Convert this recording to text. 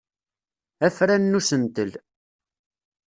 Afran n usentel.